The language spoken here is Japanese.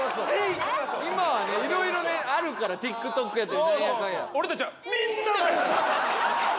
今はねいろいろねあるからＴｉｋＴｏｋやったりなんやかんや。